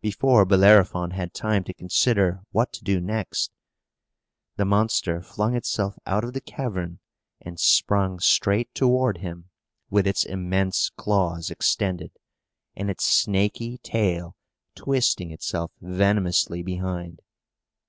Before Bellerophon had time to consider what to do next, the monster flung itself out of the cavern and sprung straight toward him, with its immense claws extended, and its snaky tail twisting itself venomously behind.